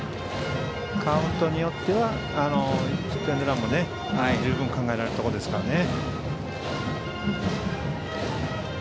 カウントによってはヒットエンドランも十分に考えられるところですね。